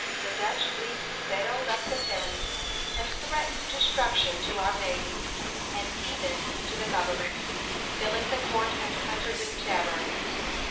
The Dutch fleet sailed up the Thames and threatened destruction to our navy, and even to the government, filling the court and country with terror.